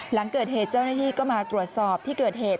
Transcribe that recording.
หลังเกิดเหตุเจ้าหน้าที่ก็มาตรวจสอบที่เกิดเหตุ